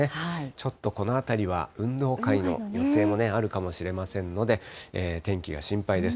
ちょっとこのあたりは、運動会の予定もあるかもしれませんので、天気が心配です。